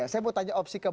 saya mau tanya opsi ke empat